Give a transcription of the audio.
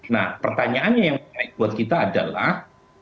nah pertanyaannya yang menarik buat kita adalah